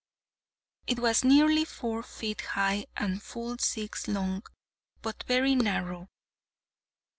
It was nearly four feet high, and full six long, but very narrow.